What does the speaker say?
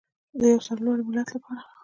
د یو سرلوړي ملت لپاره.